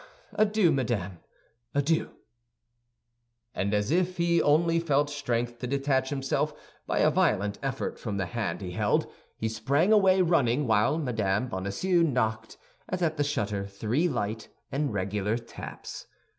Adieu, madame, adieu!" And as if he only felt strength to detach himself by a violent effort from the hand he held, he sprang away, running, while Mme. Bonacieux knocked, as at the shutter, three light and regular taps.